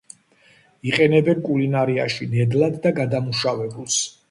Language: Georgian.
იყენებენ კულინარიაში ნედლად და გადამუშავებულს.